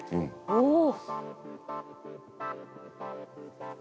おお！